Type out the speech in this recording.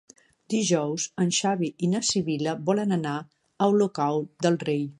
Dijous en Xavi i na Sibil·la volen anar a Olocau del Rei.